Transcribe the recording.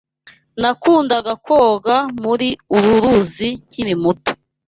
Nakundaga koga muri uru ruzi nkiri muto.